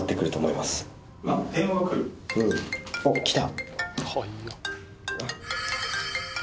おっきた！